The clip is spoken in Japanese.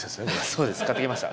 そうです買ってきました